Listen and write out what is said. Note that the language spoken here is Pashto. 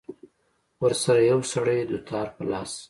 ورسره يو سړى دوتار په لاس.